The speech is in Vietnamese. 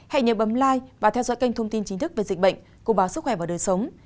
hãy nhớ bấm lai và theo dõi kênh thông tin chính thức về dịch bệnh của báo sức khỏe và đời sống